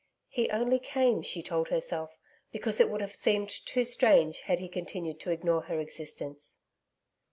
He only came, she told herself, because it would have seemed too strange had he continued to ignore her existence.